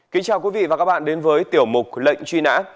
kính chào quý vị và các bạn đến với tiểu mục lệnh truy nã